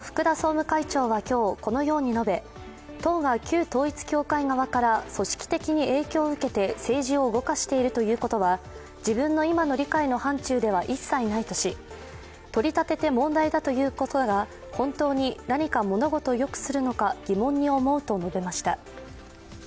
自民党の福田総務会長は今日、このように述べ、党が旧統一教会側から組織的に影響を受けて政治を動かしているということは自分の今の理解の範ちゅうでは一切ないとし取り立てて問題だということが本当に何か物事をよくするのか、疑問に思うと述べました。